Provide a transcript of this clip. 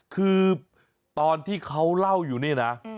คือตอนที่เขาเล่าอยู่นี่นะ